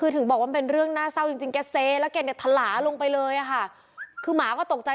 ถึงบอกว่าเป็นเรื่องน่าเศร้าจริงแกเซและเเทลล้าลงไปเลยคือหมาก็ตกใจ